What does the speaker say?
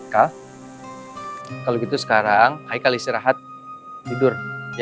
kalau gitu sekarang ayo kali istirahat tidur